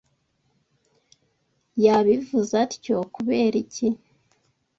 Yabivuze atyo kubera iki?